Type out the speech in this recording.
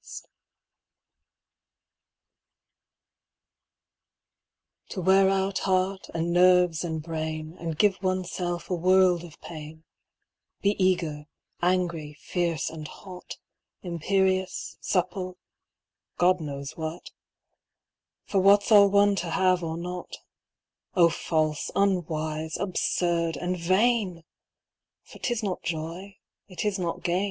To wiAR ont hearty and nenres, and brazn* And give oneself a world of pain; Ik Cffgcr, angrjr, fierce, and hoc, liii\mt\i}{U, lupple ŌĆö God knows what, Vnr what'f all one to have or not; (> /ilM┬½ unwiie, absurd, and vain ! Vnr 'tU not joy, it is not gain.